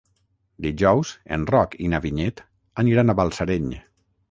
Dijous en Roc i na Vinyet aniran a Balsareny.